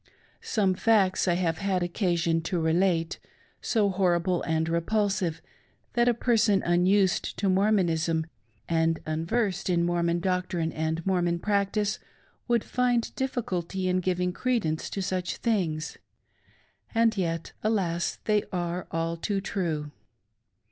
Some facts I have had occasion to relate, so horrible and repulsive, that a person unused to Mormonism and unversed in Mormon doctrine and Mormon practice would find dificulty in giving credence to such things — and yet, Alas! they are all too true!